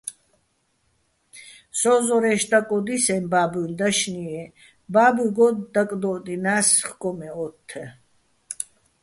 სოჼ ზორე́ჲში̆ დაკოდისეჼ ბა́ბუჲჼ დაშნი-ჲე́ ბაბუჲგო̆ დაკდო́ჸდინას ხკო მე ოთთეჼ.